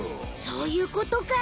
そういうことか。